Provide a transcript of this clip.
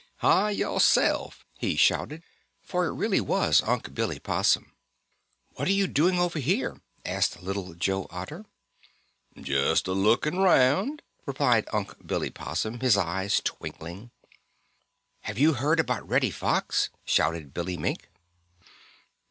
"Hi, yo'self!" he shouted, for it really was Unc' Billy Possum. "What are you doing over here?" called Little Joe Otter. "Just a looking round," replied Unc' Billy Possum, his eyes twinkling. "Have you heard about Reddy Fox?" shouted Billy Mink.